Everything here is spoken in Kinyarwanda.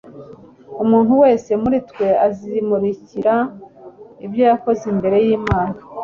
«Umuntu wese muri twe azimurikira ibyo yakoze imbere y'Imana.»